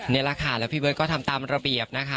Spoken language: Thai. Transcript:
นี่แหละค่ะแล้วพี่เบิร์ตก็ทำตามระเบียบนะคะ